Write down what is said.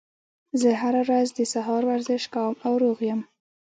زه هره ورځ د سهار ورزش کوم او روغ یم